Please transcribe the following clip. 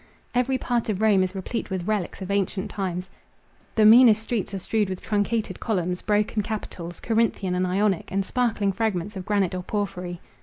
Every part of Rome is replete with relics of ancient times. The meanest streets are strewed with truncated columns, broken capitals—Corinthian and Ionic, and sparkling fragments of granite or porphyry.